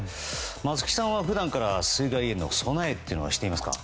松木さんは普段から水害への備えはしていますか？